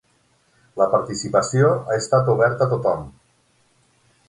La participació ha estat oberta a tothom.